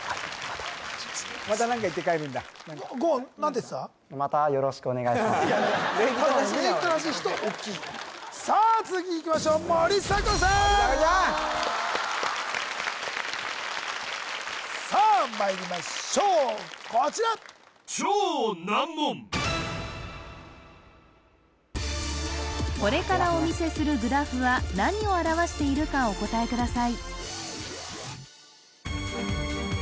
また何か言って帰るんだ礼儀正しいなおいただの礼儀正しい人大きいさあ続きいきましょう森迫さん森迫ちゃんさあまいりましょうこちらこれからお見せするグラフは何を表しているかお答えください